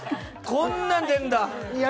こんなの出るんだ。